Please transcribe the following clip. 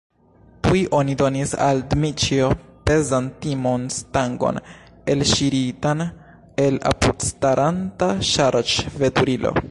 Tuj oni donis al Dmiĉjo pezan timonstangon, elŝiritan el apudstaranta ŝarĝveturilo.